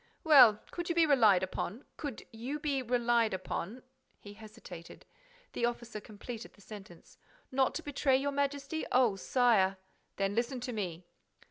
"Well, could you be relied upon—could you be relied upon—" He hesitated. The officer completed the sentence: "Not to betray your Majesty! Oh, sire!—" "Then listen to me."